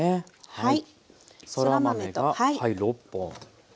はい。